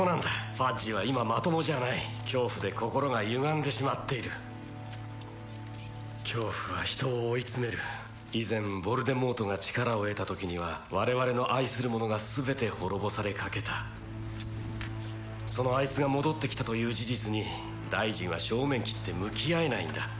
ファッジは今まともじゃない恐怖で心が歪んでしまっている恐怖は人を追い詰める以前ヴォルデモートが力を得た時には我々の愛するものが全て滅ぼされかけたそのあいつが戻ってきたという事実に大臣は正面きって向き合えないんだ